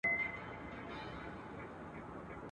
د هغې زړه تر خپلواکۍ اخستلو